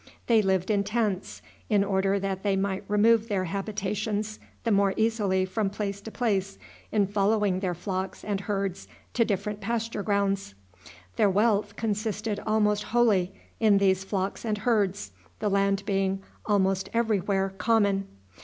They lived in tents, in order that they might remove their habitations the more easily from place to place in following their flocks and herds to different pasture grounds. Their wealth consisted almost wholly in these flocks and herds, the land being almost every where common.